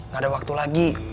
gak ada waktu lagi